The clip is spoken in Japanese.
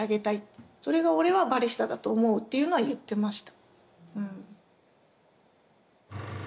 それが俺はバリスタだと思うっていうのは言ってました。